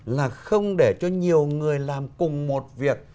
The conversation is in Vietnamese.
là không để cho nhiều người làm cùng một việc